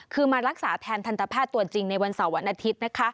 คือมารักษาแทนทันตแพทย์ตัวจริงในวันเสาร์วันอาทิตย์นะคะ